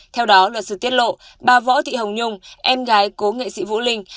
theo đó luật sư tiết lộ bà võ thị hồng nhung em gái cố nghệ sĩ vũ linh